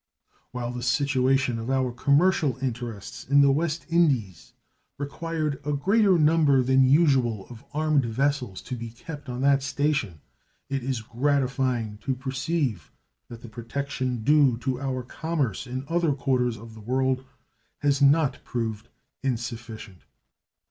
While the situation of our commercial interests in the West Indies required a greater number than usual of armed vessels to be kept on that station, it is gratifying to perceive that the protection due to our commerce in other quarters of the world has not proved insufficient.